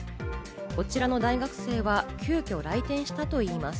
こちらの大学生は急きょ来店したといいます。